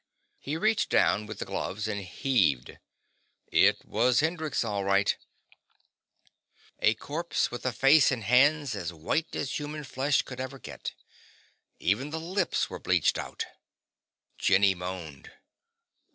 He reached down with the gloves and heaved. It was Hendrix, all right a corpse with a face and hands as white as human flesh could ever get. Even the lips were bleached out. Jenny moaned.